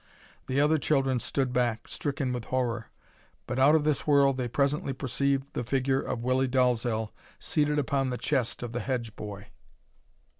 The other children stood back, stricken with horror. But out of this whirl they presently perceived the figure of Willie Dalzel seated upon the chest of the Hedge boy.